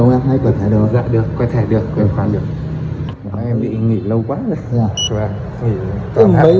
bọn em bị nghỉ lâu quá rồi